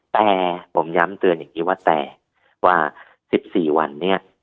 แต่ผมย้ำเตือนอย่างนี้ว่าแต่ว่า๑๔วันเนี่ย